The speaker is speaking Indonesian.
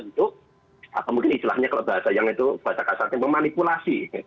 menentuk atau mungkin istilahnya kalau bahasa yang itu baca kasarnya memanipulasi